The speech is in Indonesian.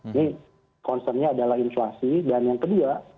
ini concernnya adalah inflasi dan yang kedua